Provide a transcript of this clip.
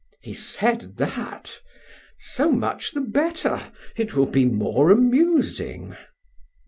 "He said that? So much the better, it will be more amusing.